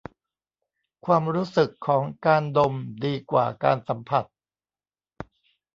ความรู้สึกของการดมดีกว่าการสัมผัส